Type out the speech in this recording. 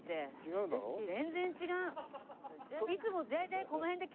全然違う！